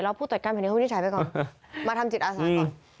แล้วผู้จัดการแผ่นดินเขาวินิจฉัยไปก่อนมาทำจิตอาสาก่อน